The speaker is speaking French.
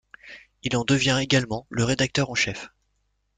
Il en devient également le rédacteur en chef.